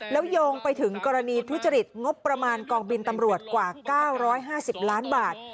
แล้วยงไปถึงกรณีทุจริตงบประมาณกองบินตำรวจกว่าเก้าร้อยห้าสิบล้านบาท